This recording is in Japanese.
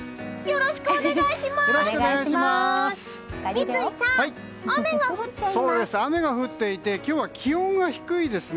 よろしくお願いします！